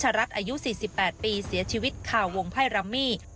รัฐอายุ๔๘ปีเสียชีวิตคาวงไพ่รัมมี่